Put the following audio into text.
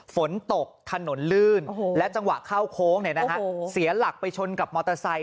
ฝนตกถนนลื่นและจังหวะเข้าโค้งเสียหลักไปชนกับมอเตอร์ไซค